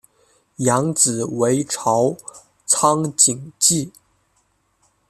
养子为朝仓景纪。